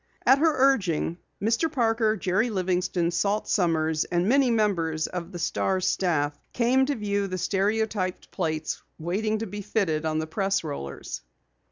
At her urging, Mr. Parker, Jerry Livingston, Salt Sommers, and many members of the Star's staff, came to view the stereotyped plates waiting to be fitted on the press rollers.